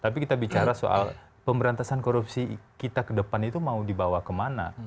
tapi kita bicara soal pemberantasan korupsi kita ke depan itu mau dibawa kemana